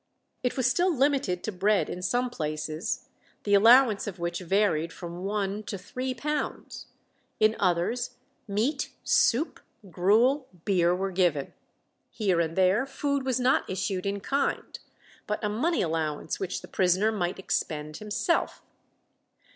It was still limited to bread in some places, the allowance of which varied from one to three pounds; in others meat, soup, gruel, beer were given. Here and there food was not issued in kind, but a money allowance which the prisoner might expend himself.